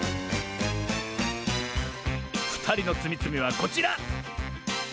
ふたりのつみつみはこちら！